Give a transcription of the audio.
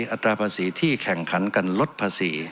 อัตราภาษีที่แข่งขันกันลดภาษี